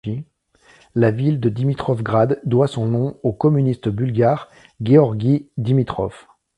La ville de Dimitrovgrad doit son nom au communiste bulgare Georgi Dimitrov.